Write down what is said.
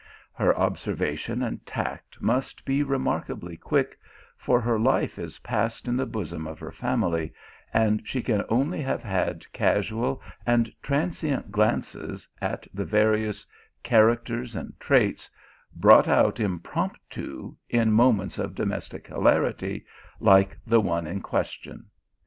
Her observation and tact must be remarkably quick, for her life is passed in the bosom of her family, and she can only have had casual and transient glances at the various characters and traits, brought out im promptu in moments of domestic hilarity, like the one in question.